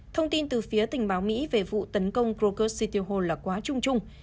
thông tin từ phía tình báo mỹ về vụ tấn công krokus sitihol là quá trung trung